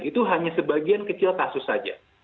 itu hanya sebagian kecil kasus saja